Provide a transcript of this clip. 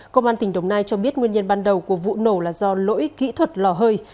công an tỉnh đồng nai cho biết nguyên nhân ban đầu của vụ nổ là do lỗi kỹ thuật lò hơi